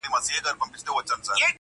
هره ټپه مي ځي میراته د لاهور تر کلي!